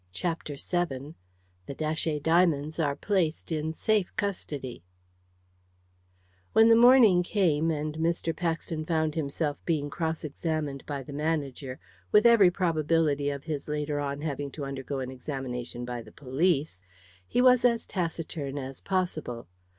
CHAPTER VII THE DATCHET DIAMONDS ARE PLACED IN SAFE CUSTODY When the morning came, and Mr. Paxton found himself being cross examined by the manager, with every probability of his, later on, having to undergo an examination by the police, he was as taciturn as possible.